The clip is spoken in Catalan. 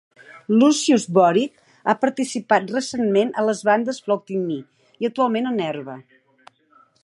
Lucius Borich ha participat recentment a les bandes Floating Me, i actualment a Nerve.